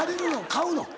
買うの？